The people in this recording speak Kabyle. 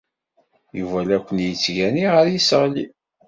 Yuba la ken-yettgani ɣer yiseɣli.